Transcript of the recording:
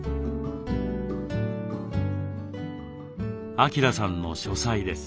晃さんの書斎です。